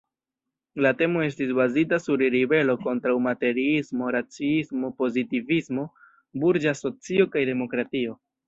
La temo estis bazita sur ribelo kontraŭ materiismo, raciismo, pozitivismo, burĝa socio kaj demokratio.